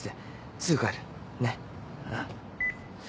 すぐ帰るねっうん。